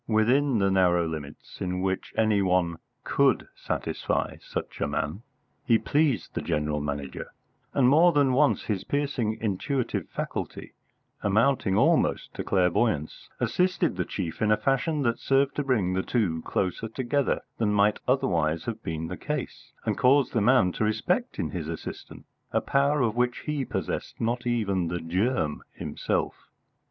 Within the narrow limits in which any one could satisfy such a man, he pleased the General Manager; and more than once his piercing intuitive faculty, amounting almost to clairvoyance, assisted the chief in a fashion that served to bring the two closer together than might otherwise have been the case, and caused the man to respect in his assistant a power of which he possessed not even the germ himself.